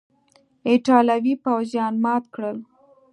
ایټالوي پوځیان مات کړل.